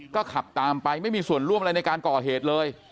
ก็ขับตามไปไม่มีส่วนร่วมอะไรในการก่อเหตุเลย